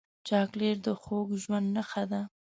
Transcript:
چاکلېټ د خوږ ژوند نښه ده.